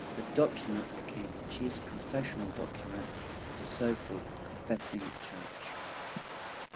The document became the chief confessional document of the so-called Confessing Church.